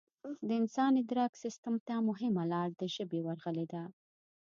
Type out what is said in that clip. د انسان ادراک سیستم ته مهمه لار د ژبې ورغلې ده